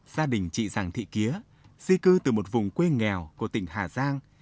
gia đình chị giàng thị kýa di cư từ một vùng quê nghèo của tỉnh hà giang